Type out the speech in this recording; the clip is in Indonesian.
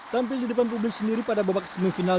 tampil di depan publik sendiri pada babak semifinal